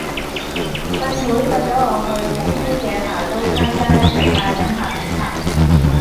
細妹約左我去青衣嘅下高灘街食晏飲下午茶